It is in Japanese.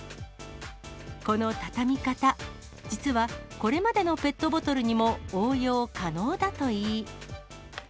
この畳み方、実はこれまでのペットボトルにも応用可能だといい。